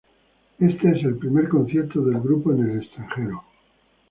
Este es el primer concierto del grupo en el extranjero.